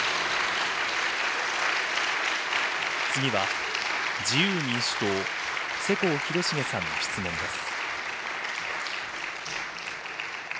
次は自由民主党、世耕弘成さんの質問です。